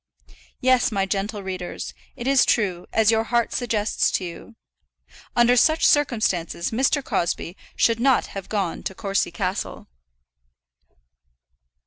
Yes, my gentle readers; it is true, as your heart suggests to you. Under such circumstances Mr. Crosbie should not have gone to Courcy Castle.